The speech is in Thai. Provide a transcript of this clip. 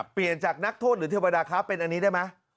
เปลี่ยนจากนักโทษหรือเทวดาครับเป็นอันนี้ได้ไหม